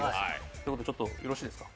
ということで、よろしいですか。